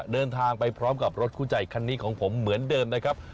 เดินทางไปพร้อมกับรถคู่ใจคันนี้ของผมเหมือนเดิมนะครับ